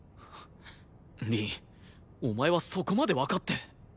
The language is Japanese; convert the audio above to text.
凛お前はそこまでわかって。